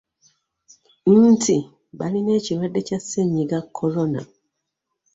Nti balina ekirwadde kya Ssennyiga Corona